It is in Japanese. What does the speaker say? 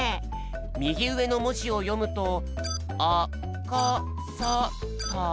みぎうえのもじをよむとあかさた。